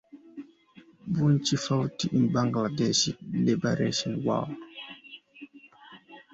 Bachchu fought in Bangladesh Liberation war.